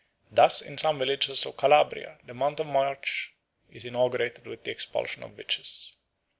Thus in some villages of Calabria the month of March is inaugurated with the expulsion of the witches.